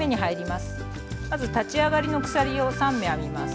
まず立ち上がりの鎖を３目編みます。